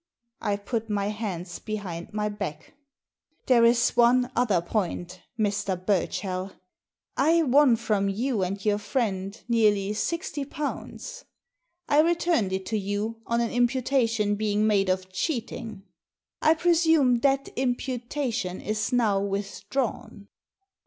I put my hands behind my back. "There is one other point, Mr. Burchell. I won from you and your friend nearly sixty pounds. I returned it to you on an imputation being made of cheating. I presume that imputation is now with drawn